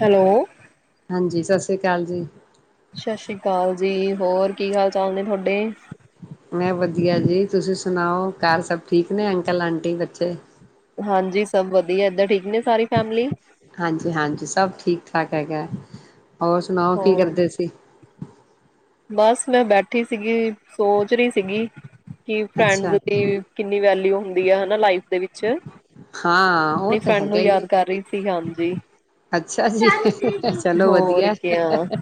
Hello, ਹਾਂਜੀ, ਸਤਿ ਸਤਿ ਸ਼੍ਰੀ ਅਕਾਲ ਜੀ ਸਤਿ ਸ੍ਰੀ ਅਕਾਲ ਜੀ, ਹੋਰ ਕੀ ਹਾਲ ਚਾਲ ਨੇ ਤੁਹਾਡੇ ਮੈਂ ਵਧੀਆ ਜੀ, ਤੁਸੀਂ ਸੁਣਾਓ ਘਰ ਸਭ ਠੀਕ ਨੇ ਅੰਕਲ, ਆਂਟੀ, ਬੱਚੇ ਹਾਂਜੀ, ਸਭ ਵਧੀਆ ਇਧਰ ਠੀਕ ਨੇ ਸਾਰੀ ਫੈਮਿਲੀ ਹਾਂਜੀ, ਹਾਂਜੀ, ਸਭ ਠੀਕ, ਠਾਕ ਹੈਗਾ ਹੈ ਹੋਰ ਸੁਣਾਓ, ਕੀ ਹੋਰ ਕਰਦੇ ਸੀ ਬਸ, ਮੈਂ ਬੈਠੀ ਸੀਗੀ, ਸੋਚ ਰਹੀ ਸੀਗੀ ਕਿ ਫਰੈਂਡ ਅੱਛਾ ਦੀ ਕਿੰਨੀ ਵੈਲਊ ਹੁੰਦੀ ਆ ਨਾ ਲਾਈਫ ਦੇ ਵਿੱਚ, ਹਾਂ ਉਹ ਆਪਣੀ ਤਾਂ ਫਰੈਂਡ ਹੈਗਾ ਨੂੰ ਹੀ ਯਾਦ ਕਰ ਰਹੀ ਸੀ, ਹਾਂਜੀ ਜੀ, ਅੱਛਾ ਜੀ, ਚਲੋ ਹੋਰ ਵਧੀਆ, ਹਾ, ਕਿਆ, ਹਾ,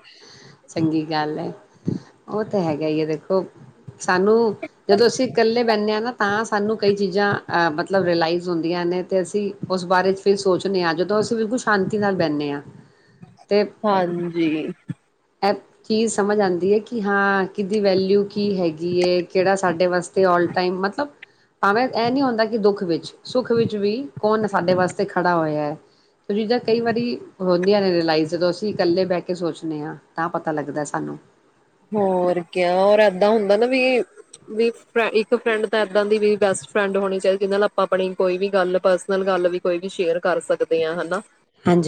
ਚੰਗੀ ਗੱਲ ਹੈ। ਉਹ ਤਾਂ, ਹੈਗਾ ਹੀ, ਹੈ ਦੇਖੋ ਸਾਨੂੰ, ਜਦੋਂ ਅਸੀਂ ਇਕੱਲੇ ਬਹਿੰਦੇ ਹਾਂ ਨਾ ਹਾਂ, ਸਾਨੂੰ ਕਈ ਚੀਜ਼ਾਂ ਮਤਲਬ ਰਿਲਾਈਜ਼ ਹੁੰਦੀਆਂ ਨਾ ਤਾਂ, ਅਸੀਂ ਉਸ ਬਾਰੇ ਫਿਰ ਸੋਚਦੇ ਹਾਂ। ਸ਼ਾਂਤੀ ਨਾਲ ਬਹਿੰਦੇ ਹਾਂ। ਅਤੇ ਹਾਂਜੀ। ਇਹ ਚੀਜ਼ ਸਮਝ ਆਉਂਦੀ ਹੈ ਕਿ, ਹਾਂ ਕਿਹਦੀ ਵੈਲਿਊ ਕੀ ਹੈਗੀ ਏ, ਕਿਹੜਾ ਸਾਡੇ ਵਾਸਤੇ ਆਲ ਟਾਈਮ ਮਤਲਬ ਭਾਵੇਂ ਇਹ ਨੀ ਹੁੰਂਦਾ, ਕਿ ਦੁੱਖ ਵਿੱਚ ਸੁੱਖ ਵਿੱਚ ਵੀ ਕੌਣ ਏ ਸਾਡੇ ਵਾਸਤੇ ਖੜਾ ਹੋਇਆ ਹੈ। ਤੇ ਜਿਦਾਂ ਕਈ ਵਾਰੀ ਹੁੰਦੀਆਂ ਨੇ ਰਿਲਾਈਜ਼ ਜਦੋਂ ਅਸੀਂ ਇਕੱਲੇ ਬਹਿ ਕੇ ਸੋਚਦੇ ਹਾਂ। ਤਾਂ ਪਤਾ ਲੱਗਦਾ ਸਾਨੂੰ ਹੋਰ ਕੀ ਹੋਰ ਇਦਾਂ ਹੁੰਦਾ ਨਾ ਵੀ ਇੱਕ ਫਰੈਂਡ ਤਾਂ ਇਦਾਂ ਦੀ ਵੀ ਬੈਸਟ ਫਰੈਂਡ ਹੋਣੀ ਚਾਹੀਦੀ, ਜਿਹਦੇ ਨਾਲ ਆਪਾਂ ਆਪਣੀ ਕੋਈ ਵੀ ਗੱਲ, ਪਰਸਨਲ ਗੱਲ, ਵੀ ਕੋਈ ਵੀ ਸ਼ੇਅਰ ਕਰ ਸਕਦੇ ਹਨਾ।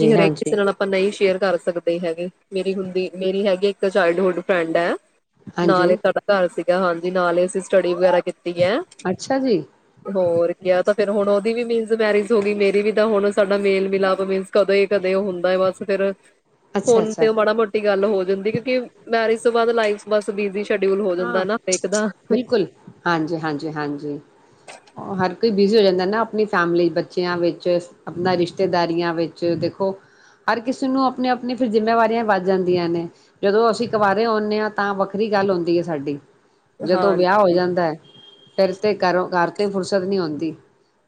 ਕਿ ਹਰੇਕ, ਹਾਂਜੀ ਕਿਸੇ ਨਾਲ ਆਪਾਂ ਨਹੀਂ ਸ਼ੇਅਰ ਕਰ ਸਕਦੇ। ਤੇ ਹੈਗੇ, ਮੇਰੀ ਹੁੰਦੀ, ਮੇਰੀ ਹੈਗੀ ਇੱਕ ਚਾਈਲਡਹੁੱਡ [unintelligible] ਨਾਲ ਹੀ ਹਾਂਜੀ ਸਾਡਾ ਘਰ ਸੀ। ਹਾਂਜੀ, ਨਾਲ ਹੀ ਅਸੀਂ ਸਟੱਡੀ ਵਗੈਰਾ ਕੀਤੀ ਹੈ। ਅੱਛਾ ਜੀ ਹੋਰ ਕਿਹਾ ਤਾਂ ਫੇਿਰ ਹੁਣ ਉਹਦੀ ਵੀ ਨਹੀ ਮੈਰਿਜ ਹੋ ਗਈ ਮੇਰੀ ਵੀ ਤਾਂ ਹੁਣ ਸਾਡਾ ਮੇਲ -ਮਿਲਾਪ ਮੀਨ ਕਦੇ -ਕਦੇ ਉਹ ਹੁੰਦਾ ਹੈ। ਬਸ ਫੇਰ ਅੱਛਾ ਫੋਨ ਅੱਛਾ ਤੇ ਮਾੜਾ-ਮੋਟੀ ਗੱਲ ਹੋ ਜਾਂਦੀ ਕਿਉਂਕਿ ਤੋ ਬਾਅਦ ਲਾਈ ਬੱਸ ਬੀਦੀ ਹਾਂ ਬਿਲਕੁਲ। ਹਾਂਜੀ-ਹਾਂਜੀ, -ਹਾਂਜੀ। ਹਰ ਕੋਈ ਬਿਜੀ ਹੋ ਜਾਂਦੇ ਨਾ ਆਪਣੀ ਫੈਮਲੀ, ਬੱਚਿਆਂ ਵਿੱਚ ਆਪਣਾ ਰਿਸ਼ਤੇਦਾਰੀਆਂ ਵਿੱਚ ਦੇਖੋ ਹਰ ਕਿਸੇ ਨੂੰ ਆਪਣੀ-ਆਪਣੀ ਫਿਰ ਜਿੰਮੇਵਾਰੀਆਂ ਵੱਧ ਜਾਂਦੀਆਂ ਨੇ ਜਦੋਂ ਅਸੀਂ ਕਵਾਰੇ ਆਉਂਦੇ ਹਾਂ ਤਾਂ ਵੱਖਰੀ ਗੱਲ ਹੁੰਦੀ ਹੈ। ਸਾਡੀ। ਜਦੋਂ ਹਾਂ ਵਿਆਹ ਹੋ ਜਾਂਦਾ ਹੈ। ਫਿਰ ਤਾਂ ਕਰੋ ਘਰ ਤੋਂ ਫੁਰਸਤ ਨਹੀਂ ਆਉਂਦੀ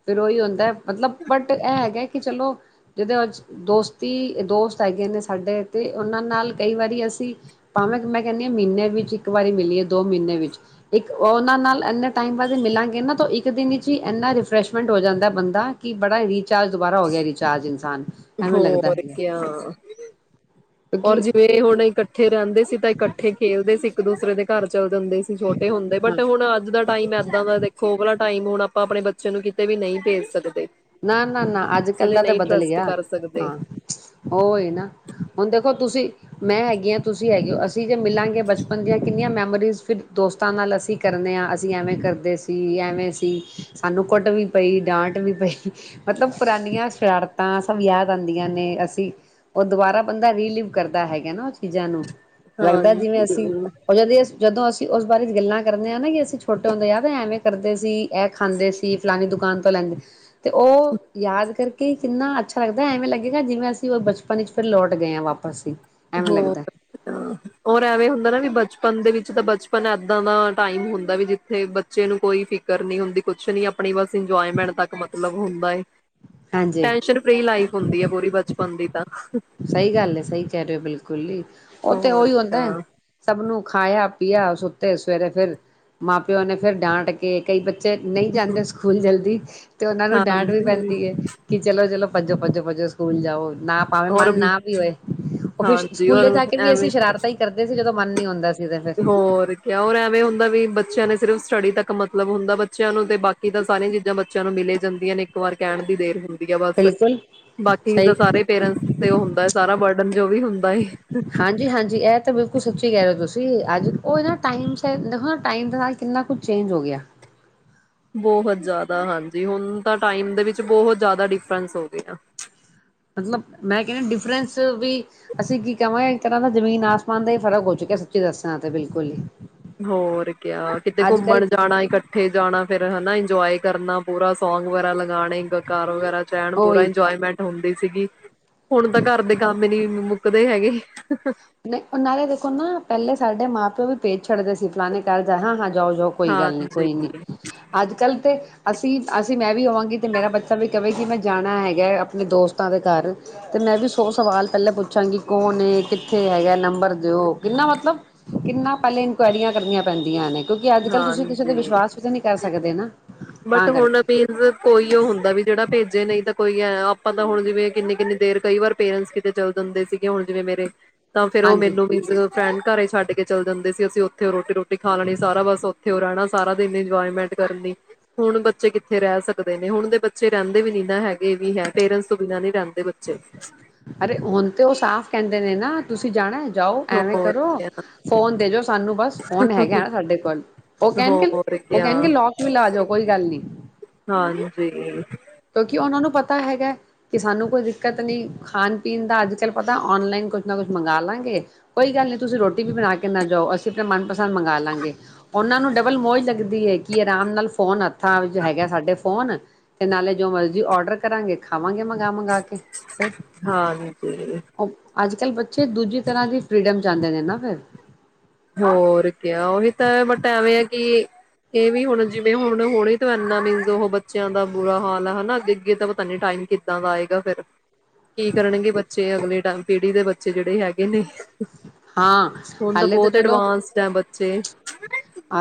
ਫਿਰ ਉਹੀ ਹੁੰਦਾ। ਮਤਲਬ, ਬਟ ਇਹ ਹੈਗਾ ਕਿ ਚਲੋ ਜਿਦੋਂ ਅੱਜ ਦੋਸਤੀ ਦੋਸਤ ਹੈਗੇ ਨੇ ਸਾਡੇ ਤੇ ਉਹਨਾਂ ਨਾਲ ਕਈ ਵਾਰੀ ਅਸੀਂ ਭਾਵੇਂ ਮੈਂ ਕਹਿੰਦੀ ਹ ਮਹੀਨੇ ਵਿੱਚ ਇੱਕ ਵਾਰੀ ਮਿਲੀਏ, ਦੋ ਮਹੀਨੇ ਵਿੱਚ ਇੱਕ ਉਹਨਾਂ ਨਾਲ ਇਨੇ ਟਾਈਮ ਬਾਦ ਮਿਲਾਂਗੇ ਨਾ ਇੱਕ ਦਿਨ ਵਿੱਚ ਇਨਾ ਰਿਫਰੈਸ਼ਮੈਂਟ ਹੋ ਜਾਂਦਾ ਬੰਦਾ ਕਿ ਬੜਾ ਰੀਚ ਚਾਰਜ ਦੁਬਾਰਾ ਹੋ ਗਿਆ ਰਿਚਾਰਜ ਇਨਸਾਨ। ਐਵੇਂ ਲੱਗਦਾ ਹੋਰ ਹੈਗਾ ਕਿਆ। ਔਰ ਕਿਉਂਕਿ ਜਿਵੇਂ ਹੁਣ ਇਕੱਠ ਇਕੱਠੇ ਰਹਿੰਦੇ ਸੀ ਤਾਂ ਇਕੱਠੇ ਖੇਲਦੇ ਸੀ। ਇੱਕ ਦੂਸਰੇ ਦੇ ਘਰ ਚਲਦੇ ਜਾਂਦੇ ਸੀ। ਛੋਟੇ ਹੁੰਦੇ ਹਾਂ ਬਟ ਹੁਣ ਅੱਜ ਦਾ ਟਾਈਮ ਇਏਦਾਂ ਦਾ ਦੇਖੋ ਭਲਾ ਟਾਈਮ ਹੁਣ, ਆਪਾਂ ਆਪਣੇ ਬੱਚੇ ਨੂੰ ਕਿਤੇ ਵੀ ਨਹੀਂ ਭੇਜ ਸਕਦੇ। ਨਾ-ਨਾ-ਨਾ, ਕਿਸੇ ਅੱਜ-ਕੱਲ ਤੇ ਦਾ ਤਾਂ ਨਹੀਂ ਬਦਲ ਟਰਸਟ ਗਿਆ, ਕਰ ਸਕਦੇ ਹਾ ਉਹਹੀ ਨਾ ਹੁਣ ਦੇਖੋ ਤੁਸੀਂ ਮੈਂ ਹੈਗੀ ਹਾਂ, ਤੁਸੀਂ ਹੈਗੇ ਹੋ। ਅਸੀ ਠੀਕ ਹੈ, ਮਿਲਾਂਗੇ ਬਚਪਨ ਦੀਆਂ ਕਿੰਨੀਆਂ ਮੈਂਮਾ ਇਸ ਉਮਰ ਫਿਰ ਦੋਸਤਾਂ ਨਾਲ ਅਸੀਂ ਕਰਨੇ ਹਾਂ ਅਸੀਂ ਐਵੇਂ ਕਰਦੇ ਸੀ। ਐਵੇਂ ਸੀ। ਸਾਨੂੰ ਕੁੱਟ ਵੀ ਪਈ। ਡਾਂਟ ਵੀ ਪਈ। ਮਤਲਬ, ਪੁਰਾਣੀਆਂ ਸ਼ਰਾਰਤਾਂ ਸਭ ਯਾਦ ਆਉਂਦੀਆਂ ਨੇ। ਅਸੀਂ ਉਹ ਦੁਬਾਰਾ ਬੰਦਾ ਰੀਲੀਵ ਕਰਦਾ ਹੈਗਾ ਨਾ ਉਹ ਚੀਜ਼ਾਂ ਨੂੰ। ਹਾਂ ਲੱਗਦਾ ਜਿਵੇਂ ਅਸੀਂ ਉਹ ਜਦ ਜਦੋਂ ਅਸੀਂ ਉਸ ਬਾਰੇ ਗੱਲਾਂ ਕਰਦੇ ਹਾਂ ਨਾ ਕਿ ਅਸੀਂ ਛੋਟੇ ਹੁੰਦੇ ਐਵੇਂ-ਐਵੇਂ ਕਰਦੇ ਸੀ। ਇਹ ਖਾਂਦੇ ਸੀ, ਫਲਾਨੀ ਦੁਕਾਨ ਤੋਂ ਲੈਂਦੇ ਸੀ ਤੇ ਉਹ ਯਾਦ ਕਰਕੇ ਕਿੰਨਾ ਅੱਛਾ ਲੱਗਦਾ ਐਵੇਂ ਲੱਗੇਗਾ। ਜਿਵੇਂ ਅਸੀਂ ਉਹ ਬਚਪਨ ਚ ਫਿਰ ਲੌਟ ਗਏਹਾ ਵਾਪਸ ਹੀ। ਐਵੇਂ ਲੱਗਦਾ ਹੋਰ-ਹੋਰ ਐਵੇਂ ਹੁੰਦਾ ਨਾ ਵੀ ਬਚਪਨ ਦੇ ਵਿੱਚ ਤਾਂ ਬਚਪਨ ਇੱਦਾਂ ਦਾ ਟਾਈਮ ਹੁੰਦਾ ਵੀ ਜਿੱਥੇ ਬੱਚੇ ਨੂੰ ਕੋਈ ਫਿਕਰ ਨਹੀਂ ਹੁੰਦੀ ਕੁਛ ਨੀ ਆਪਣੀ ਬਸ ਇੰਜੋਏਮੈਂਟ ਤੱਕ ਮਤਲਬ। ਮੁੰਦਾਈ। ਹਾਂਜੀ ਟੈਨਸ਼ਨ ਫਰੀ ਲਾਈਫ ਹੁੰਦੀ ਹੈ ਪੂਰੀ ਬਚਪਨ ਦੀ ਤਾਂ। ਸਹੀ ਗੱਲ ਹੈ, ਸਹੀ ਕਹਿ ਰਹੇ ਹੋ ਬਿਲਕੁਲ ਹੀ। ਉਹ ਤੇ ਹੋਰ ਉਹੀ ਹੁੰਦਾ ਕਿਆ ਸਭ ਨੂੰ। ਖਾਇਆ-ਪੀਆ ਸੂਤੇ, ਸਵੇਰੇ ਫੇਰ ਮਾਂ ਪਿਓ ਨੇ ਫੇਰ ਡਾਂਟਕੇ ਕਈ ਬੱਚੇ ਤੇ ਨਹੀਂ ਜਾਂਦੇ ਸਕੂਲ ਜਲਦੀ। ਤੇ ਉਹਨਾਂ ਨੂੰ ਡਾਂਟ ਵੀ ਹਾਂਜੀ ਪੈਂਦੀ ਹੈ ਕਿ ਚਲੋ ਚਲੋ ਭੱਜੋ ਭੱਜੋ ਭੱਜੋ ਸਕੂਲ ਜਾਓ ਹੁਣ। ਨਾ ਪਾਵੇ ਮਨ ਔਰ ਨਾ ਵੀ ਹੋਏ ਉਹ ਫਿਰ ਹਾਂਜੀ ਔਰ ਸਕੂਲੇ ਜਾ ਕੇ ਵੀ ਅਸੀਂ ਐਵੇਂ ਸ਼ਰਾਰਤਾਂ ਹੀ ਕਰਦੇ ਸੀ ਜਦੋਂ ਮਨ ਨੀ ਆਦਾ ਸੀ ਤੇ ਫਿਰ ਹੋਰ ਕਿਆ ਔਰ ਐਵੇਂ ਹੁੰਦਾ ਵੀ ਬੱਚਿਆਂ ਨੇ ਸਿਰਫ ਸਟੱਡੀ ਤੱਕ ਮਤਲਬ ਹੁੰਦਾ ਬੱਚਿਆਂ ਨੂੰ ਤੇ ਬਾਕੀ ਤਾਂ ਸਾਰੀਆਂ ਚੀਜ਼ਾਂ ਬੱਚਿਆਂ ਨੂੰ ਮਿਲੇ ਜਾਂਦੀਆਂ ਨੇ ਇੱਕ ਵਾਰ ਕਹਿਣ ਦੀ ਦੇਰ ਹੁੰਦੀ ਬਿਲਕੁਲ ਸਹੀ ਪੇਰਟਸ ਤੇ ਉਹ ਹੁੰਦਾ ਹੈ ਸਾਰਾ ਬਰਡਨ ਜੋ ਵੀ ਹੁੰਦਾ ਏ। ਹਾਂਜੀ ਹਾਂਜੀ ਇਹ ਤਾਂ ਬਿਲਕੁਲ ਸੱਚੀ ਕਹਿ ਰਹੇ ਹੋ ਤੁਸੀਂ ਅੱਜ ਉਹ ਨਾ ਟਾਈਮ ਦੇਖੋ ਨਾ ਟਾਈਮ ਦੇ ਨਾਲ ਕਿੰਨਾ ਕੁਛ ਚੇਂਜ ਹੋ ਗਿਆ। ਬਹੁਤ ਜ਼ਿਆਦਾ ਹਾਂਜੀ ਹੁਣ ਤਾਂ ਟਾਈਮ ਦੇ ਵਿੱਚ ਬਹੁਤ ਜ਼ਿਆਦਾ ਡਿਫਰੈਂਸ ਹੋ ਗਏ ਆ। ਮਤਲਬ ਮੈਂ ਕਹਿੰਣਾ ਡਿਫਰੈਂਸ ਵੀ ਅਸੀਂ ਕੀ ਕਹਾਂਗੇ ਇੱਕ ਤਰ੍ਹਾਂ ਦਾ ਜ਼ਮੀਨ ਆਸਮਾਨ ਦਾ ਹੀ ਫ਼ਰਕ ਹੋ ਚੁੱਕਿਆ ਸੱਚੀ ਦੱਸਾਂ ਤੇ ਬਿਲਕੁਲ ਹੀ ਹੋਰ ਕਿਆ ਕਿਤੇ ਅੱਜ ਕੱਲ੍ਹ ਘੁੰਮਣ ਜਾਣਾ ਇਕੱਠੇ ਜਾਣਾ ਫੇਰ ਹਨਾ ਇੰਜੋਏ ਕਰਨਾ ਪੂਰਾ ਸੌਂਗ ਵਗੈਰਾ ਲਗਾਣੇ ਕਾਰ ਵਗੈਰਾ ਰਹਿਣ ਪੂਰਾ ਉਹੀ ਇੰਜੋਏਮੈਂਟ ਹੁੰਦੀ ਸੀਗੀ ਹੁਣ ਤਾਂ ਘਰ ਦੇ ਕੰਮ ਨੀ ਮੁੱਕਦੇ ਹੈਗੇ। ਨਾਲੇ ਦੇਖੋ ਨਾ ਪਹਿਲੇ ਸਾਡੇ ਮਾਂ ਪਿਓ ਵੀ ਪੇਜ ਛੱਡਦੇ ਸੀ ਫਲਾਣੇ ਘਰ ਜਾਣਾ ਹਾਂ ਹਾਂ। ਜਾਓ ਜਾਓ ਕੋਈ ਗੱਲ ਨੀ ਹਾਂਜੀ, ਕੋਈ ਨੀ ਅੱਜ ਕੱਲ ਤੇ ਅਸੀਂ ਅਸੀਂ ਮੈਂ ਵੀ ਆਵਾਂਗੀ ਅਤੇ ਮੇਰਾ ਬੱਚਾ ਵੀ ਕਵੇ ਕਿ ਮੈਂ ਜਾਣਾ ਹੈਗਾ ਆਪਣੇ ਦੋਸਤਾਂ ਦੇ ਘਰ ਅਤੇ ਮੈਂ ਵੀ ਸੋ ਸਵਾਲ ਪਹਿਲਾਂ ਪੁੱਛਾਂਗੀ ਕੌਣ ਕਿਥੇ ਇੱਥੇ ਹੈਗਾ ਨੰਬਰ ਦਿਓ ਕਿੰਨਾ ਮਤਲਬ ਕਿੰਨਾ ਪਹਿਲਲੇ ਇਨਕੁਆਇਰੀਆਂ ਕਰਨੀਆਂ ਪੈਂਦੀਆਂ ਨੇ ਕਿਉਂਕਿ ਅੱਜ ਕੱਲ ਤੁਸੀਂ ਕਿਸੇ ਤੇ ਹਾਂਜੀ। ਵਿਸ਼ਵਾਸ ਵੀ ਤਾਂ ਨਹੀਂ ਕਰ ਸਕਦੇ ਨਾ। ਬਟ ਤਾਂ ਹੁਣ ਕਰਕੇ ਮੀਨਜ ਕੋਈ ਉਹ ਹੁੰਦਾ ਵੀ ਜਿਹੜਾ ਭੇਜੇ ਨਹੀਂ ਤਾਂ ਕੋਈ ਹੈ ਆਪਾਂ ਤਾਂ ਹੁਣ ਜਿਵੇਂ ਕਿੰਨੀ ਕਿੰਨੀ ਦੇਰ ਕਈ ਵਾਰ ਪੇਰੈਂਟਸ ਕਿਤੇ ਚੱਲ ਜਾਂਦੇ ਸੀਗੇ ਹੁਣ ਜਿਵੇਂ ਮੇਰੇ ਤਾਂ ਫੇਰ ਉਹ ਹਾਂਜੀ ਮੈਨੂੰ ਵੀ ਫਰੈਂਡ ਘਰੇ ਛੱਡ ਕੇ ਚੱਲ ਜਾਂਦੇ ਸੀ ਅਸੀਂ ਉੱਥੇ ਰੋਟੀ ਰੋਟੀ ਖਾ ਲੈਣੀ ਸਾਰਾ ਬਸ ਉੱਥੇ ਰਹਿਣਾ ਸਾਰਾ ਦਿਨ ਇੰਜੋਏਮੈਂਟ ਕਰਨੀ ਹੁਣ ਬੱਚੇ ਕਿੱਥੇ ਰਹਿ ਸਕਦੇ ਨੇ ਹੁਣ ਦੇ ਬੱਚੇ ਰਹਿੰਦੇ ਵੀ ਨੀ ਨਾ ਹੈਗੇ ਵੀ ਹੈ ਪੇਰੈਂਟਸ ਤੋਂ ਬਿਨਾਂ ਨੀ ਰਹਿੰਦੇ ਬੱਚੇ ਅਰੇ ਹੁਣ ਤੇ ਉਹ ਸਾਫ਼ ਕਹਿੰਦੇ ਨੇ ਨਾ ਤੁਸੀਂ ਜਾਣਾ ਜਾਓ ਐਵੇਂ ਹੋਰ ਕਰੋ ਕਿਆ, ਫੋਨ ਦੇਜੋ ਸਾਨੂੰ ਬਸ ਫੋਨ ਹੈਗਾ ਨਾ ਸਾਡੇ ਕੋਲ ਉਹ ਕਹਿਣਗੇ ਹੋਰ ਉਹ ਕਿਆ ਕਹਿਣਗੇ ਲੌਕ ਵੀ ਲਾ ਜਾਓ ਕੋਈ ਗੱਲ ਨੀ ਹਾਂਜੀ, ਕਿਉਂਕਿ ਉਹਨਾਂ ਨੂੰ ਪਤਾ ਹੈਗਾ ਕਿ ਸਾਨੂੰ ਕੋਈ ਦਿੱਕਤ ਨੀ ਖਾਣ ਪੀਣ ਦਾ ਅੱਜ ਕੱਲ ਪਤਾ ਔਨਲਾਈਨ ਕੁਛ ਨਾ ਕੁਛ ਮੰਗ ਲਾਂਗੇ ਕੋਈ ਗੱਲ ਨੀ ਤੁਸੀਂ ਰੋਟੀ ਵੀ ਬਣਾ ਕੇ ਨਾ ਜਾਓ ਅਸੀਂ ਆਪਣਾ ਮਨਪਸੰਦ ਮੰਗਗਾ ਲਵਾਂਗੇ ਉਹਨਾਂ ਨੂੰ ਡਬਲ ਮੋਜ ਲੱਗਦੀ ਹੈ, ਕਿ ਆਰਾਮ ਨਾਲ ਫੋਨ ਹੱਥਾਂ ਵਿੱਚ ਹੈਗਾ ਸਾਡੇ ਫੋਨ ਤੇ ਨਾਲੇ ਜੋ ਮਰਜ਼ੀ ਔਡਰ ਕਰਾਂਗੇ ਖਾਵਾਂਗੇ ਮੰਗਾ, ਮੰਗਾ ਕੇ। ਫਿਰ ਹਾਂ ਠੀਕ ਅੱਜ ਕੱਲ ਬੱਚੇ ਦੂਜੀ ਤਰ੍ਹਾਂ ਦੀ ਫੀਡਮ ਚ ਆਦੇ ਨੇ ਨਾ ਫਿਰ ਹੋਰ ਕਿਆ ਉਹੀ ਤਾਂ ਬਟ ਐਵੇਂ ਆ ਕਿ ਇਹ ਵੀ ਹੁਣ ਜਿਵੇਂ ਹੁਣ ਹਨ ਉਹ ਬੱਚਿਆਂ ਦਾ ਬੁਰਾ ਹਾਲ ਆ ਅੱਗੇ, ਅੱਗੇ ਤਾਂ ਪਤਾ ਨੀ ਟਾਈਮ ਕਿੱਦਾਂ ਦਾ ਆਏਗਾ ਫਿਰ ਕੀ ਕਰਨਗੇ ਬੱਚੇ ਅਗਲੇ ਟਾਈਮ ਪੀੜੀ ਦੇ ਬੱਚੇ ਜਿਹੜੇ ਹੈਗੇ ਨੇ ਹਾਂ, ਹੁਣ ਹਲੇੇ ਤਾਂ ਬਹੁਤ ਚਲੋ ਐਡਵਾਂਸਡ ਹੈ ਬੱਚੇ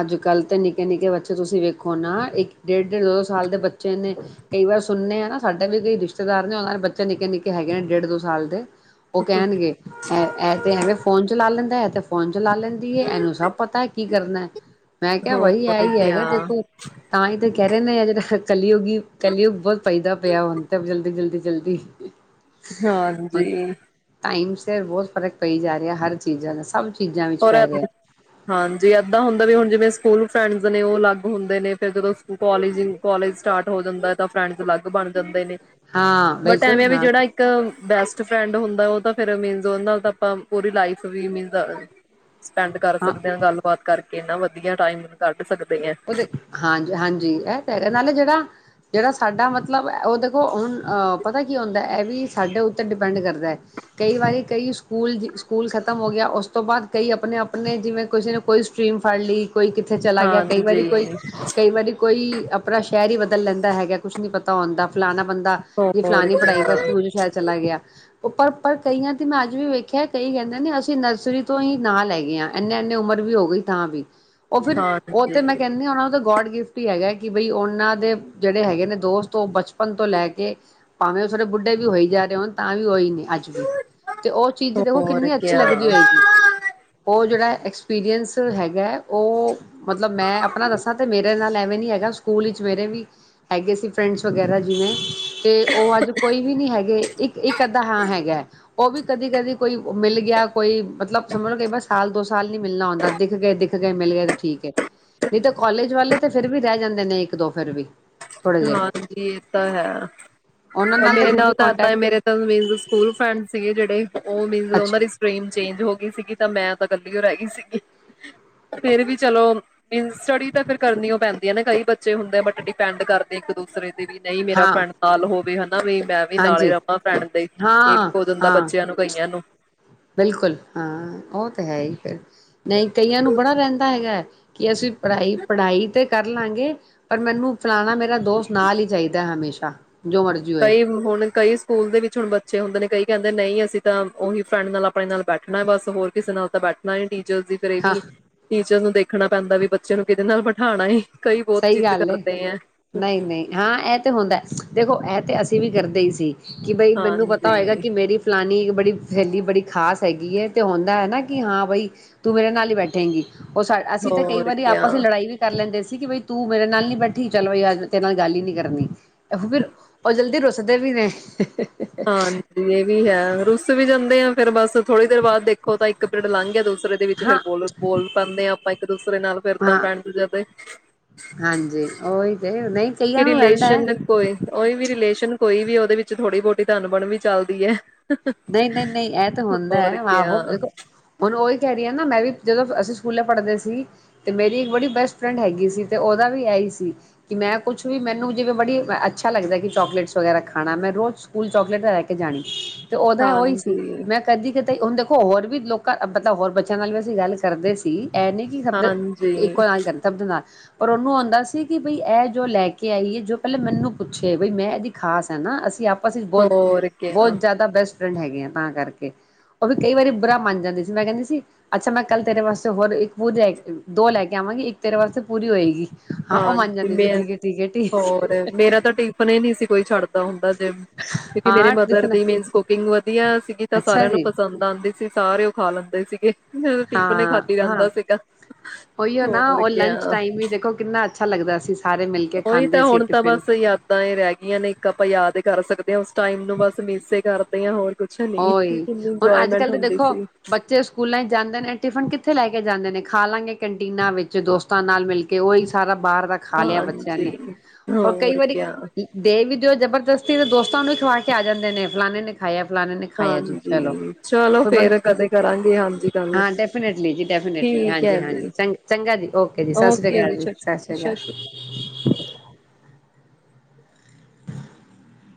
ਅੱਜ ਕੱਲ੍ਹ ਤੇ ਨਿੱਕੇ- ਨਿੱਕੇ ਬੱਚੇ ਤੁਸੀਂ ਵੇਖੋ ਨਾ ਇੱਕ- ਡੇਢ, ਡੇਢ -ਦੋ, ਦੋ ਸਾਲ ਦੇ ਬੱਚੇ ਨੇ ਕਈ ਵਾਰ ਸੁਣਨੇ ਨਾ ਸਾਡੇ ਵੀ ਕਈ ਰਿਸ਼ਤੇਦਾਰ ਨੇ ਉਹਨਾਂ ਨੇ ਬੱਚੇ ਨਿੱਕੇ- ਨਿੱਕੇ ਹੈਗੇ ਨੇ ਡੇਢ- ਦੋ ਸਾਲ ਦੇ ਉਹ ਕਹਿਣਗੇ। ਐ ਤੇ ਐਵੇਂ ਫੋਨ ਚਲਾ ਲੈਂਦਾ ਹੈ ਫੋਨ ਚਲਾ ਲੈਂਦੀ ਹੈ ਇਹਨੂੰ ਸਭ ਪਤਾ ਹੈ ਕੀ ਕਰਨਾ। ਮੈਂ ਕਿਹਾ ਬਹੀ ਐ ਹੋਰ ਹੀ ਕਿਆ ਹੈਗਾ ਦੇਖੋ। ਤਾਂ ਹੀ ਤਾਂ ਕਹਿ ਰਿਹੇ ਨੇ ਆ ਜਿਹੜਾ ਕਲਯੁਗ ਕੱਲਯੁਗ ਉਹ ਬਹੁਤ ਚਲਦਾ ਪਿਆ ਹੁੰਦਾ ਤੇ ਜਲਦੀ- ਜਲਦੀ। ਜਲਦੀ ਹੁਣ ਹਾਂਜੀ। ਟਾਈਮ ਬਹੁਤ ਫ਼ਰਕ ਪਈ ਜਾ ਰਿਹਾ ਹੈ ਹਰ ਚੀਜ਼ਾਂ ਦਾ ਸਭ ਚੀਜ਼ਾਂ ਵਿੱਚ ਹੋਰ ਪੈ ਰਿਹਾ ਹਾਂਜੀ, ਏਦਾਂ ਹੁੰਦਾ। ਵੀ ਹੁਣ ਜਿਵੇਂ ਸਕੂਲ ਫਰੈਂਡਸ ਨੇ ਉਹ ਅਲੱਗ ਹੁੰਦੇ ਨੇ ਫਿਰ ਜਦੂ ਕੋਲਜ ਕੋਾਲਜ ਸਟਾਟ ਹੋ ਜਾਂਦਾ ਤਾਂ ਫਰੈਂਡਸ ਅਲੱਗ ਬਣ ਜਾਂਦੇ ਨੇ। ਹਾਂ ਬਟ ਬਿਲਕੁਲ ਐਵੇਂ ਆ ਵੀ ਹਾਂ ਜਿਹੜਾ ਇੱਕ ਬੈਸਟ ਫਰੈਂਡ ਹੁੰਦਾ ਉਹ ਤਾਂ ਫਿਰ ਮੀਨ ਉਹ ਨਾਲ ਆਪਾਂ ਪੂਰੀ ਲਾਈਫ ਮੇਨਸ ਸਪੈਂਡ ਕਰ ਸਕਦੇ ਹਾਂ ਗੱਲਬਾਤ ਕਰਕੇ ਕਿੰਨਾ ਵਧੀਆ ਟਾਈਮ ਸਕਦੇ ਹਾਂ ਉਹਦੇ ਹਾਂਜੀ, ਹਾਂਜੀ ਇਹ ਤੇ ਹੈਗਾ ਨਾਲੇ ਜਿਹੜਾ ਜਿਹੜਾ ਸਾਡਾ ਮਤਲਬ ਉਹ ਦੇਖੋ ਹੁਣ ਪਤਾ ਕੀ ਹੁੰਦਾ ਇਹ ਵੀ ਸਾਡੇ ਉੱਤੇ ਡਿਪੈਂਡ ਕਰਦਾ। ਕਈ ਵਾਰੀ ਕਈ ਸਕੂਲ ਜ ਸਕੂਲ ਖਤਮ ਹੋ ਗਿਆ। ਉਸ ਤੋਂ ਬਾਅਦ ਕਈ ਆਪਣੇ- ਆਪਣੇ ਜਿਵੇਂ ਕਿਸੇ ਨੇ ਕੋਈ ਸਟਰੀਮ ਫੜ ਲਈ ਕੋਈ ਕਿੱਥੇ ਚਲਾ ਗਿਆ। ਵਾਰੀ ਹਾਂਜੀ ਕੋਈ, ਕਈ ਵਾਰੀ ਕੋਈ ਆਪਣਾ ਸ਼ਹਿਰ ਹੀ ਬਦਲ ਲੈਂਦਾ ਹੈਗਾ ਕੁੱਛ ਨੀ ਪਤਾ ਹੁੰਦਾ। ਫਲਾਣਾ ਬੰਦਾ ਜੇ ਹੋਰ ਫਲਾਨ ਪੜ੍ਹਾਈ ਕਿਆ ਵਾਸਤੇ ਦੂਜੇ ਸ਼ਹਿਰ ਚਲਾ ਗਿਆ। ਉੱਪਰ, ਉਪਰ ਕਈਆਂ ਤੇ ਮੈਂ ਅੱਜ ਵੀ ਵੇਖਿਆ ਕਈ ਕਹਿੰਦੇ ਨੇ ਅਸੀਂ ਨਰਸਰੀ ਤੋਂ ਹੀ ਨਾ ਲੈ ਗਏ ਹਾਂ ਇੰਨੇ ਇਨੇ ਉਮਰ ਵੀ ਹੋ ਗਈ ਥਾਂ ਵੀ ਉਹ ਫਿਰ ਤੇ ਮੈਂ ਹਾਂਜੀ ਕਹਿੰਦੀ ਉਹਨਾਂ, ਉਹ ਦਾ ਗੋਡ ਗਿਫਟ ਹੀ ਹੈਗਾ ਕਿ ਬਈ ਉਹਨਾਂ ਦੇ ਜਿਹੜੇ ਹੈਗੇ ਨੇ ਦੋਸਤ ਉਹ ਬਚਪਨ ਪਣ ਤੋਂ ਲੈ ਕੇ ਭਾਵੇਂ ਉਹ ਸਾਰੇ ਬੁੱਢੇ ਵੀ ਹੋਈ ਰਹੇ ਹੋਣ ਤਾਂ ਵੀ ਉਹੀ ਨੇ ਅੱਜ ਵੀ ਤੇ ਉਹ ਚੀਜ਼ ਦੇਖੋ ਹੋਰ ਕਿੰਨੀ ਅੱਛੀ ਕਿਆ ਲੱਗਦੀ ਹੋਏਗੀ ਉਹ ਜਿਹੜਾ ਐਕਸਪੀਰੀਅੰਸ ਹੈਗਾ ਉਹ ਮਤਲਬ ਮੈਂ ਆਪਣਾ ਦੱਸਾਂ ਤੇ ਮੇਰੇ ਨਾਲ ਐਵੇਂ ਨੀ ਹੈਗਾ ਸਕੂਲ ਵਿੱਚ ਮੇਰੇ ਵੀ ਹੈਗੇ ਸੀ ਫਰੈਂਡਸ ਵਗੈਰਾ ਜਿਵੇਂ ਤੇ ਉਹ ਅੱਜ ਕੋਈ ਵੀ ਨੀ ਹੈਗੇ ਇੱਕ ਇੱਕ ਅੱਧਾ ਹਾਂ ਹੈਗਾ ਉਹ ਵੀ ਕਦੀ ਕਦੀ ਕੋਈ ਮਿਲ ਗਿਆ ਕੋਈ ਮਤਲਬ ਸਮਝ ਕਈ ਵਾਰ ਸਾਲ ਦੋ ਸਾਲ ਨੀ ਮਿਲਣਾ ਹੁੰਦਾ ਦਿੱਖ ਗਏ ਦਿੱਖ ਗਏ ਮਿਲ ਗਏ ਤੇ ਠੀਕ [unintelligible] ਨਹੀਂ ਤਾਂ ਕਾਲਜ ਵਾਲੇ ਤੇ ਫਿਰ ਵੀ ਰਹਿ ਜਾਂਦੇ ਨੇ ਇੱਕ ਦੋ ਫੇਰ ਵੀ ਥੋੜ੍ਹੇ ਜਿਹੇ ਹਾਂਜੀ ਇਹ ਤਾਂ ਹੈ ਉਹਨਾਂ ਮੇਰੇ ਫਿਰ ਨਾਲ ਵੀ ਤਾਂ ਏਦਾ ਕੋਂਟੈਕਟ ਮੇਰੇ ਨਾਲ ਸਕੂਲ ਫਰੈਂਡ ਸੀਗੇ ਜਿਹੜੇ ਉਹ ਮੀਨਜ ਉਹਨਾਂ ਅੱਛਾ ਦੀ ਸਟਰੀਮ ਚੇਂਜ ਹੋ ਗਈ ਸੀਗੀ ਤਾਂ ਮੈਂ ਤਾਂ ਇਕੱਲੀ ਰਹਿ ਗਈ ਸੀਗੀ ਫੇਰ ਵੀ ਚਲੋ ਮੀਨਜ ਸਟੱਡੀ ਤਾਂ ਫਿਰ ਕਰਨੀ ਉਹ ਪੈਂਦੀ [unintelligible] ਨਾ ਕਈ ਬੱਚੇ ਹੁੰਦੇ ਬਟ ਡਿਪੈਂਡ ਕਰਦੇ ਇੱਕ ਦੂਸਰੇ ਤੇ ਵੀ ਨਹੀਂ ਮੇਰਾ ਹਾਂ ਫਰੈਂਡ ਨਾਲ ਹੋਵੇ ਹਨਾ ਵੀ ਮੈਂ ਵੀ ਨਾਲ ਹੀ ਹਾਂਜੀ ਰਵਾਂ ਫਰੈਂਡ ਦੇ ਇਹ ਵੀ ਹੋ ਜਾਂਦਾ ਬੱਚਿਆਂ ਨੂੰ ਕਈਆਂ ਨੂੰ ਬਿਲਕੁੱਲ ਹਾਂ ਉਹ ਤੇ ਹੈ ਹੀ ਫਿਰ। ਨਹੀਂ ਕਈਆਂ ਨੂੰ ਬੜਾ ਰਹਿੰਦਾ ਹੈਗਾ ਹੈ ਕਿ ਅਸੀਂ ਪੜ੍ਹਾਈ ਪੜ੍ਹਾਈ ਤੇ ਕਰ ਲਾਂਗੇ ਪਰ ਮੈਨੂੰ ਫਲਾਣਾ ਮੇਰਾ ਦੋਸਤ ਨਾਲ ਹੀ ਚਾਹੀਦਾ ਹਮੇਸ਼ਾ। ਜੋ ਮਰਜ਼ੀ ਹੋਏ ਕਈ ਹੁਣ ਕਈ ਸਕੂਲ ਦੇ ਵਿੱਚ ਹੁਣ ਬੱਚੇ ਹੁੰਦੇ ਨੇ ਕਈ ਕਹਿੰਦੇ ਨਹੀਂ ਅਸੀਂ ਤਾਂ ਉਹੀ ਫਰੈਂਡ ਨਾਲ ਆਪਣੇ ਨਾਲ ਬੈਠਣਾ ਬਸ ਹੋਰ ਕਿਸੇ ਨਾਲ ਤਾਂ ਬੈਠਣਾ ਹੀ ਨੀ ਚ ਦੀ ਫਿਰ ਇਹ ਹਾਂ ਵੀ ਟੀਚਰ ਨੂੰ ਦੇਖਣਾ ਪੈਂਦਾ ਵੀ ਬੱਚੇ ਨੂੰ ਕਿਹਦੇ ਨਾਲ ਬਿਠਾਣਾ ਠਾਨਾ ਏ ਕਈ ਬੋਤ ਸਹੀ ਜਿੱਦ ਗੱਲ ਏ ਕਰਦੇ ਐ। ਨਹੀਂ ਨਹੀਂ ਹਾਂ ਇਹ ਤੇ ਹੁੰਦਾ ਦੇਖੋ ਇਹ ਤੇ ਅਸੀਂ ਵੀ ਕਰਦੇ ਹੀ ਸੀ। ਕਿ ਬਈ ਮੈਨੂੰ ਪਤਾ ਹੋਏਗਾ ਹਾਂਜੀ ਕਿ ਮੇਰੀ ਫਲਾਨੀ ਬੜੀ ਬੜੀ ਸਹੇਲੀ ਬੜੀ ਖ਼ਾਸ ਹੈਗੀ ਹੈ ਤੇ ਹੁੰਦਾ ਹੈ ਨਾ ਕਿ ਹਾਂ ਬਈ ਤੂੰ ਮੇਰੇ ਨਾਲ ਹੀ ਬੈਠੇਂਗੀ। ਉਹ ਅਸੀਂ ਤਾਂ ਕਈ ਹੋਰ ਵਾਰੀ ਕਿਆ ਆਪਸ ਲੜਾਈ ਵੀ ਕਰ ਲੈਂਦੇ ਸੀ ਠੀਕ ਏ ਬਈ ਤੂੰ ਮੇਰੇ ਨਾਲ ਨੀ ਬੈਠੀ ਚਲੋ ਅਜ ਤੇਰੇ ਨਾਲ ਗੱਲ ਹੀ ਨੀ ਕਰਨੀ। ਫਿਰ ਓ ਜਲਦੀ ਰੁੱਸ ਦੇ ਵੀ ਨੇ ਹਾਂਜੀ ਇਹ ਵੀ ਹੈ ਰੁਸ ਵੀ ਜਾਂਦੇ ਆ ਫੇਰ ਬੱਸ ਥੋੜੀ ਦੇਰ ਬਾਅਦ ਦੇਖੋ ਤਾਂ ਇੱਕ ਪਿੰਡ ਲੰਘ ਗਿਆ ਦੂਸਰੇ ਦੇ ਵਿੱਚ ਫਿਰ ਹਾਂ ਬੋਲ ਬੋਲ ਪਾਂਦੇ ਹਾਂ ਆਪਾਂ ਇੱਕ ਦੂਸਰੇ ਨਾਲ ਫਿਰ ਤਾਂ ਹਾਂ ਫੈਡ ਦੂਜਾ ਦੇ ਹਾਂਜੀ ਉਹੀ ਤੇ ਨਹੀਂ ਕਿ ਕਈਆਂ ਨੂੰ ਰਹਿੰਦਾ ਹੈ ਰਿਲੇਸ਼ਨ ਕੋਈ ਉਹੀ ਵੀ ਰਿਲੇਸ਼ਨ ਕੋਈ ਵੀ ਉਹਦੇ ਵਿੱਚ ਥੋੜੀ ਬਹੁਤੀ ਧਨ ਬਣ ਵੀ ਚੱਲਦੀ ਏ ਨਹੀਂ-ਨਹੀਂ-ਨਹੀਂ ਇਹ ਤਾਂ ਹੁੰਦਾ ਆਹੋ ਕਿਆ ਦੇਖੋ ਹੁਨੂੰ ਉਹੀ ਕਹਿ ਰਹੀ ਹ ਨਾ ਮੈਂ ਵੀ ਜਦੋਂ ਅਸੀਂ ਸਕੂਲ ਪੜ੍ਹਦੇ ਸੀ ਤੇ ਮੇਰੀ ਇੱਕ ਬੜੀ ਬੈਸਟ ਫਰੈਂਡ ਹੈਗੀ ਸੀ ਤੇ ਉਹਦਾ ਵੀ ਇਹਹੀ ਸੀ ਕਿ ਮੈਂ ਕੁਛ ਵੀ ਮੈਨੂੰ ਜਿਵੇਂ ਬੜਾ ਅੱਛਾ ਲੱਗਦਾ ਚਾਕਲੇਟ ਵਗੈਰਾ ਖਾਣਾ ਮੈਂ ਰੋਜ਼ ਸਕੂਲ ਚੋਕਲੇਟ ਲੈ ਕੇ ਜਾਣੀ। ਤੇ ਉਹਦਾ ਉਹ ਹੀ ਸੀ ਹਾਂਜੀ ਮੈਂ ਕਦੀ-ਕਦੀ- ਤੇ ਹੁਣ ਦੇਖੋ ਹੋਰ ਵੀ ਲੋਕਾਂ ਮਤਲਬ ਹੋਰ ਬੱਚਿਆਂ ਨਾਲ ਵੀ ਅਸੀਂ ਗੱਲ ਕਰਦੇ ਸੀ। ਇਹ ਨੀ ਕਿ ਹਾਂਜੀ ਇੱਕੋ ਨਾਲ ਕਰਨ ਸਭਦੇ ਨਾਲ ਪਰ ਉਹਨੂੰ ਆਉਂਦਾ ਸੀ ਕਿ ਬਈ ਇਹ ਜੋ ਲੈ ਕੇ ਆਈਏ ਜੋ ਪਹਿਲਾਂ ਮੈਨੂੰ ਪੁੱਛੇ ਬਈ ਮੈਂ ਇਹਦੀ ਖਾਸ ਆ ਨਾ ਅਸੀਂ ਆਪ ਆਪਸ ਚ ਹੋਰ ਬਹੁਤ-ਬਹੁਤ ਕਿਆ ਜ਼ਿਆਦਾ ਬੈਸਟ ਫਰੈਂਡ ਹੈਗੇ ਆ ਤਾਂ ਕਰਕੇ ਉਹ ਵੀ ਕਈ ਵਾਰੀ ਬੁਰਾ ਮੰਨ ਜਾਂਦੀ ਸੀ ਮੈਂ ਕਹਿੰਦੀ ਸੀ ਅੱਛਾ, ਮੈਂ ਕੱਲ ਤੇਰੇ ਵਾਸਤੇ ਹੋਰ ਇੱਕ ਪਰੀ ਦੋ ਲੈ ਕੇ ਆਵਾਂਗੀ ਇੱਕ ਤੇਰੇ ਵਾਸਤੇ ਪੂਰੀ ਹੋਏਗੀ। ਉਹ ਹਾਂ ਮੰਨ ਜਾਂਦੀ ਸੀ ਮੈਂ, ਠੀਕ ਹੈ ਠੀਕ ਹੈ ਠੀਕ ਹੋਰ ਮੇਰਾ ਤਾਂ ਟਿਫਨ ਹੀ ਨਹੀਂ ਸੀ ਕੋਈ ਛੱਡਦਾ ਹੁੰਦਾ ਸੀ। ਕਿਉਂਕਿ ਮੇਰੇ ਹਾਂ ਮਦਰ ਟਿਫਨ ਦੀ ਮੇਨ ਕੁਕਿੰਗ ਵਧੀਆ ਸੀਗੀ ਤਾਂ ਅੱਛਾ ਸਾਰਿਆਂ ਨੂੰ ਜੀ ਪਸੰਦ ਆਉਂਦੀ ਸੀ ਸਾਰੇ ਉਹ ਖਾ ਲੈਂਦੇ। ਦੇ ਸੀਗੇ। ਮੇਰਾ ਉਹ ਟੀਫਨ ਹੀ ਹਾਂ ਖਾਲੀ ਹਾਂ ਆਂਦਾ ਸੀਗਾ। ਉਹੀਓ ਨਾ ਹੋਰ ਉਹ ਲੰਚ ਕਿਆ ਟਾਈਮ ਵੀ ਦੇਖੋ ਕਿੰਨਾ ਅੱਛਾ ਲੱਗਦਾ ਸੀ। ਸਾਰੇ ਮਿਲ ਕੇ ਉਹੀ ਤਾਂ ਖਾਂਦੇ ਸੀ ਹੁਣ ਤਾਂ ਟਿਫਿਨ ਬਸ ਯਾਦਾਂ ਹੀ ਰਹਿ ਗਈਆਂ ਨੇ ਇੱਕ ਆਪਾਂ ਯਾਦ ਕਰ ਸਕ ਦੇ ਉਸ ਟਾਈਮ ਨੂੰ ਬਸ ਮਿਸ ਕਰਦੇ ਹਾਂ ਹੋਰ ਕੁਛ ਨੀ ਉਹੀ ਕਿੰਨੀ ਹੁਣ ਅੱਜ ਇੰਜੋਏਮੈਂਟ ਕੱਲ੍ਹ ਤਾਂ ਹੁੰਦੀ ਦੇਖੋ ਸੀ ਉੱਥੇ ਲੈ ਕੇ ਜਾਂਦੇ ਨੇ ਖਾ ਲਾਂਗੇ ਕੈਟੀਨਾਂ ਵਿੱਚ ਦੋਸਤਾਂ ਨਾਲ ਮਿਲ ਕੇ ਉਹੀ ਸਾਰਾ ਬਾਹਰ ਦਾ ਖਾ ਲਿਆ, ਬੱਚਿਆਂ ਨੇ ਹਾਂਜੀ ਹੋਰ ਕਈ ਵਾਰੀ ਦੇ ਵੀ ਦਿਓ ਜਬਰ ਜਸੀ, ਤੇ ਦੋਸਤਾ ਨੂੰ ਈ ਖਵਾ ਸੁ ਕੇ ਆ ਜਾਂਦੇ ਨੇ ਫਲਾਣੇ ਨੇ ਖਾਇਆ ਫਲਾਨੇ ਖਾਇਆ ਜੀ ਹਾਂਜੀ ਚਲੋ ਫੇਰ ਕਦੇ ਕਰਾਂਗੇ ਹਾਂਜੀ ਗੱਲ ਚਲੋੰ--ਹਾਂ ਡੈਫੀਨੇਟਲੀ- ਡੈਫੀਨੇਟਲੀ ਠੀਕ ਹੈ ਹਾਂ-ਹਾਂ ਜੀ ਚੰਗਾ ਜੀ ਓਕੇ ਜੀ, ਸਤਿ ਸ੍ਰੀ ਅਕਾਲ ਜੀ ਸਤ ਸ੍ਰੀ ਅਕਾਲ।